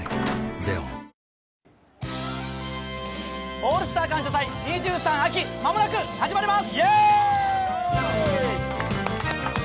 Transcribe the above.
「オールスター感謝祭’２３秋」、間もなく始まります！